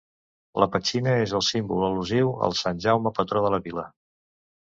La petxina és el símbol al·lusiu a sant Jaume, patró de la vila.